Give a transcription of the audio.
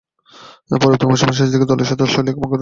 পরবর্তী মৌসুমের শেষদিকে দলের সাথে অস্ট্রেলিয়া গমন করেন।